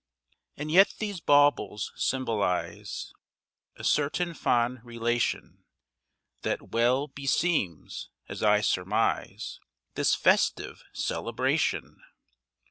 And yet these baubles symbolize A certain fond relation That well beseems, as I surmise, This festive celebration.